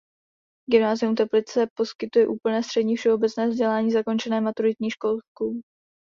Gymnázium Teplice poskytuje úplné střední všeobecné vzdělání zakončené maturitní zkouškou.